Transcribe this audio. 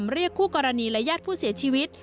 เรียกคู่กรณีและญาติผู้เสียชีวิต